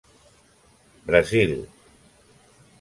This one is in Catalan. Brasil.